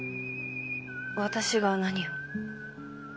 私が何を？